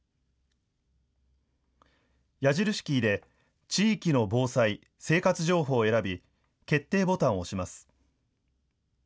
矢印キーで地域の防災・生活情報を選び決定ボタンを押します。